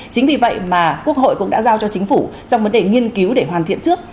chính vì vậy mà quốc hội cũng đã giao cho chính phủ trong vấn đề nghiên cứu để hoàn thiện trước